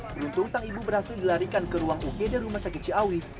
beruntung sang ibu berhasil dilarikan ke ruang ugd rumah sakit ciawi